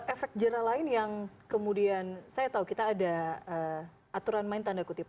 efek jerah lain yang kemudian saya tahu kita ada aturan main tanda kutip